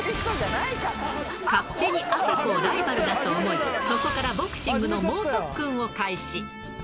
勝手にあさこをライバルだと思い、そこからボクシングの猛特訓を開始。